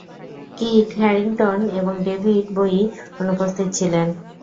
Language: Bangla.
কিট হ্যারিংটন এবং ডেভিড বোয়ি অনুপস্থিত ছিলেন।